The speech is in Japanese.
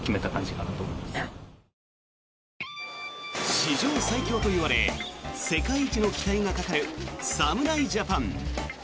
史上最強といわれ世界一の期待がかかる侍ジャパン。